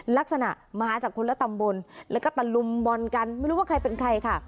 ลักษณะมาจากคนละตำบลแล้วก็ตะลุมบอลกันไม่รู้ว่าใครเป็นใครค่ะ